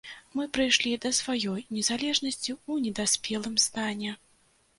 Мы прыйшлі да сваёй незалежнасці ў недаспелым стане.